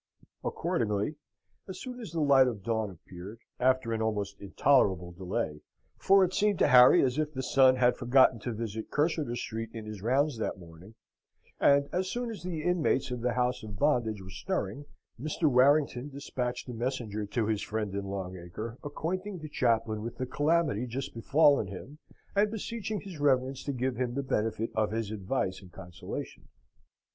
Accordingly, as soon as the light of dawn appeared, after an almost intolerable delay for it seemed to Harry as if the sun had forgotten to visit Cursitor Street in his rounds that morning and as soon as the inmates of the house of bondage were stirring, Mr. Warrington despatched a messenger to his friend in Long Acre, acquainting the chaplain with the calamity just befallen him, and beseeching his reverence to give him the benefit of his advice and consolation.